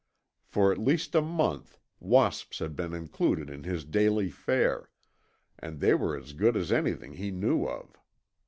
For at least a month wasps had been included in his daily fare, and they were as good as anything he knew of.